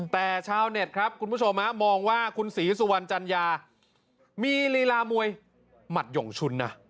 แต่ชาวเน็ตครับคุณผู้ชมมองว่าคุณศรีสุวรรณจัญญามีลีลามวยหมัดหย่งชุนนะ